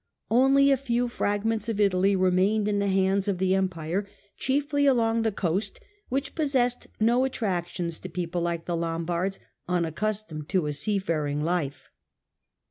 Only a few fragments of Italy remained in the hands of the Empire, chiefly along the coast, which possessed no attractions to people like the Lombards unaccustomed to a seafaring life.